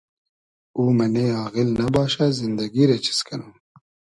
او مئنې آغیل نئباشۂ زیندئگی رۂ چیز کئنوم